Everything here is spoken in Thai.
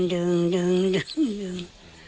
ดึงดึงดึงดึง